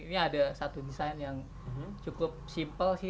ini ada satu desain yang cukup simpel sih